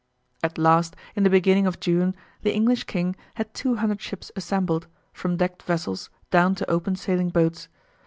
At last in the beginning of June the English King had two hundred ships assembled, from decked vessels down to open sailing boats.